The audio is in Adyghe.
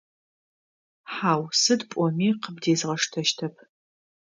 Хьау, сыд пӏоми къыбдезгъэштэщтэп.